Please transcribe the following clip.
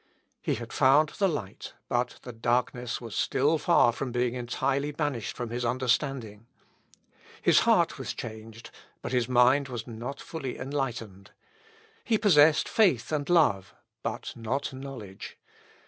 " He had found the light, but the darkness was still far from being entirely banished from his understanding. His heart was changed, but his mind was not fully enlightened. He possessed faith and love, but not knowledge.